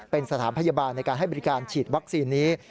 เป็นสถานพยาบาลในการให้บริการฉีดวัคซีนนี้